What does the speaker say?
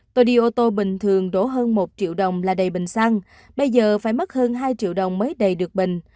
tôi đi ô tô bình thường đổ hơn một triệu đồng là đầy bình xăng bây giờ phải mất hơn hai triệu đồng mới đầy được bình